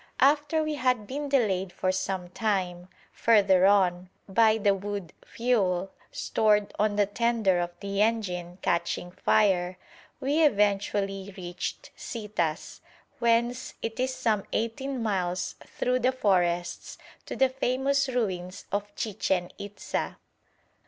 After we had been delayed for some time, further on, by the wood fuel, stored on the tender of the engine, catching fire, we eventually reached Citas, whence it is some eighteen miles through the forests to the famous ruins of Chichen Itza.